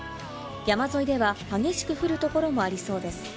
山沿いでは激しく降るところもありそうです。